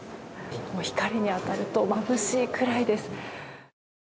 光に当たるとまぶしいくらいです。